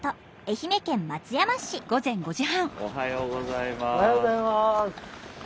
おはようございます。